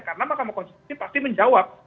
karena mahkamah konstitusi pasti menjawab